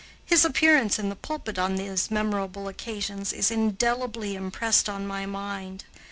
His appearance in the pulpit on these memorable occasions is indelibly impressed on my mind.